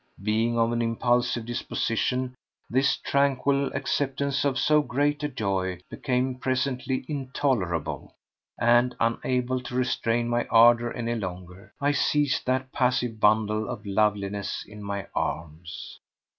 Being of an impulsive disposition, this tranquil acceptance of so great a joy became presently intolerable, and, unable to restrain my ardour any longer, I seized that passive bundle of loveliness in my arms.